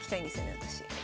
私。